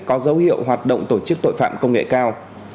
có dấu hiệu hoạt động tổ chức tội phạm công nghệ cao